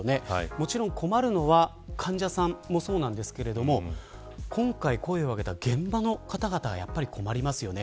もちろん困るのは患者さんもそうですが今回、声を上げた現場の方々はやっぱり困りますよね。